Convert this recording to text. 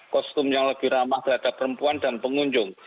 kostum yang lebih ramah terhadap perempuan dan pengunjung